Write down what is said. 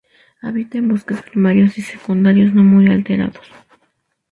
Habita en bosques primarios y secundarios no muy alterados.